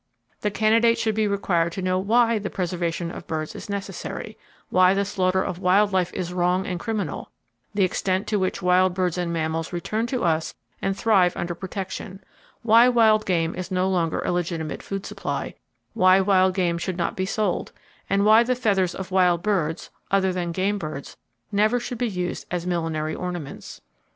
The candidate should be required to know why the preservation of birds is necessary; why the slaughter of wild life is wrong and criminal; the extent to which wild birds and mammals return to us and thrive under protection; why wild game is no longer a legitimate food supply; why wild game should not be sold, and why the feathers of wild birds (other than game birds) never should be used as millinery ornaments.